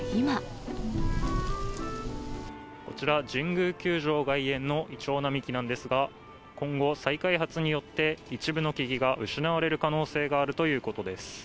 こちら、神宮球場外苑のいちょう並木なんですが、今後、再開発によって、一部の木々が失われる可能性があるということです。